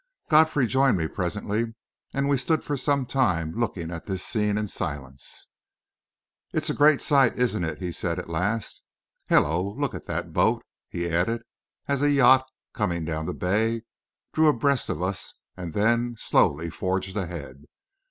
Godfrey joined me presently, and we stood for some time looking at this scene in silence. "It's a great sight, isn't it?" he said, at last. "Hello! look at that boat!" he added, as a yacht, coming down the bay, drew abreast of us and then slowly forged ahead.